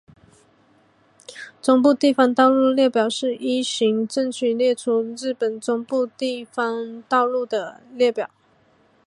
中部地方道路列表是依行政区列出日本中部地方道路的列表。